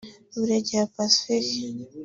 Buregeya Pacifique